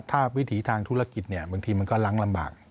ถ้าวิถีทางธุรกิจเนี่ยบางทีมันก็ล้างลำบาก